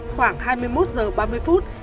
khoảng hai mươi một h ba mươi phút